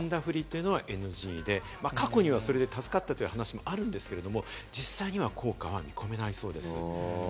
死んだフリというのはＮＧで、過去にはそれで助かったという話もあるんですけれども、実際には効果は見込めないそうです。